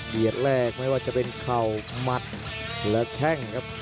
เบียดแรกไม่ว่าจะเป็นค่าหมัดหรือแข้งครับ